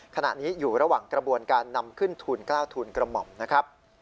ขณะนี้อยู่ระหว่างกระบวนการนำขึ้นทูล๙ทูลกระหม่อมนะครับ